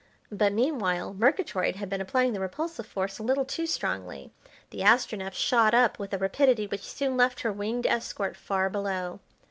But meanwhile Murgatroyd had been applying the repulsive force a little too strongly. The Astronef shot up with a rapidity which soon left her winged escort far below.